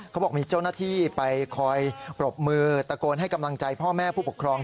เขาบอกมีเจ้าหน้าที่ไปคอยปรบมือตะโกนให้กำลังใจพ่อแม่ผู้ปกครอง